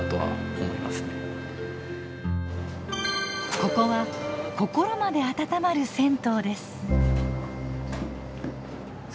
ここは心まであたたまる銭湯です。